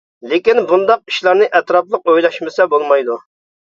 ! لېكىن بۇنداق ئىشلارنى ئەتراپلىق ئويلاشمىسا بولمايدۇ!